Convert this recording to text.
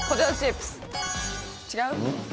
違う？